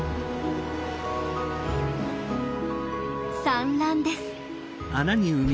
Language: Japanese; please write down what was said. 産卵です。